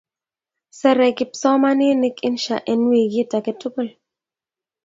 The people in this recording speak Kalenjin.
sere kipsomaninik insha en wikit aketukul